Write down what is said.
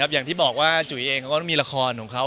อย่างที่บอกว่าจุ๋ยเองเขาก็มีละครของเขา